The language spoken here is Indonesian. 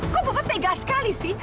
kok bapak tega sekali sih